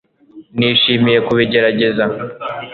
Nishimiye kubigerageza